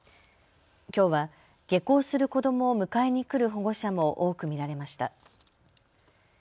きょうは下校する子どもを迎えに来る保護者も多く見られました。